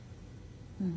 うん。